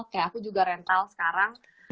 kayak aku juga rental sekarang